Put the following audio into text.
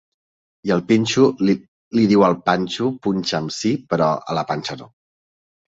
I el Pinxo li diu al Panxo: punxa’m sí, però a la panxa, no.